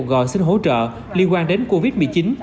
các bệnh nhân đã được giúp trợ liên quan đến covid một mươi chín